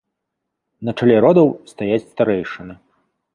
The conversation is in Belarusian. На чале родаў стаяць старэйшыны.